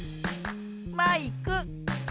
マイク。